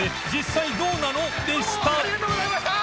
蕁どうもありがとうございました！